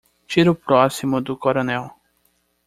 Tiro próximo do coronel.